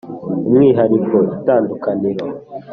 umwihariko: itandukaniro.